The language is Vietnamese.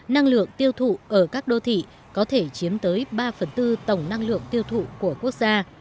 năng lượng tiêu thụ ở các đô thị có thể chiếm tới ba phần tư tổng năng lượng tiêu thụ của quốc gia